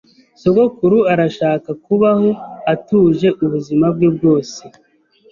Sogokuru arashaka kubaho atuje ubuzima bwe bwose.